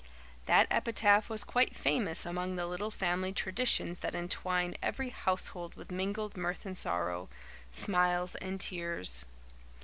That epitaph was quite famous among the little family traditions that entwine every household with mingled mirth and sorrow, smiles and tears.